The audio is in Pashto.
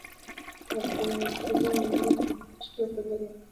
د ابتذال او ندرت په لحاظ تشبیه پر دوه ډوله ده.